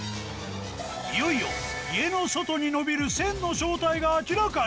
いよいよ家の外に伸びる線の正体が明らかに！